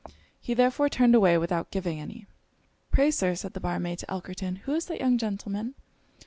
He therefore turned away without giving any. 'Pray, Sir,' said the bar maid to Elkerton, 'who is that young gentleman?'